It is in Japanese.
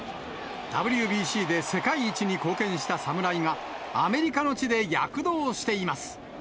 ＷＢＣで世界一に貢献した侍が、アメリカの地で躍動しています。